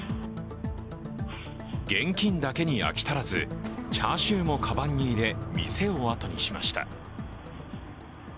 現金だけに飽き足らずチャーシューもかばんに入れ店を後にしました。